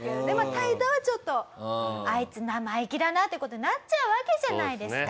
態度はちょっと「あいつ生意気だな」っていう事になっちゃうわけじゃないですか。